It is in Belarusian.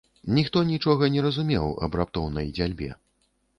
Ніхто нічога не разумеў аб раптоўнай дзяльбе.